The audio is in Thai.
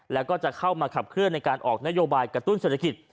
แล้วก็จะเข้ามาขับเคลื่อนในการออกนโยบายกระตุ้นเศรษฐกิจ